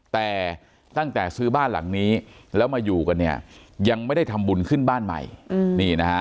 แต่ตั้งแต่ซื้อบ้านหลังนี้แล้วมาอยู่กันเนี่ยยังไม่ได้ทำบุญขึ้นบ้านใหม่นี่นะฮะ